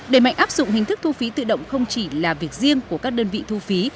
đề mạnh áp dụng hình thức thu phí tự động không chỉ là việc riêng của các đơn vị thu phí